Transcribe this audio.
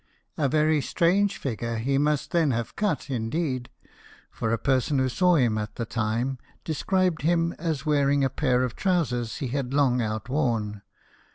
A very strange figure he must then have cut, indeed ; for a per son who saw him at the time described him as wearing a pair of trousers he had long outworn, JAMES GARFIELD, CANAL BOY.